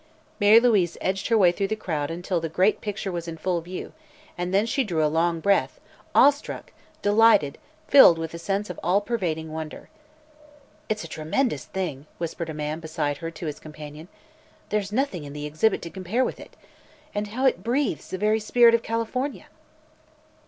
Mary Louise edged her way through the crowd until the great picture was in full view; and then she drew a long breath, awestruck, delighted, filled with a sense of all pervading wonder. "It's a tremendous thing!" whispered a man beside her to his companion. "There's nothing in the exhibit to compare with it. And how it breathes the very spirit of California!"